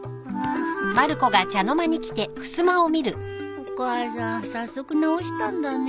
お母さん早速直したんだね。